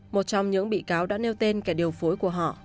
một trong những bị cáo đã nêu tên kẻ điều phối của họ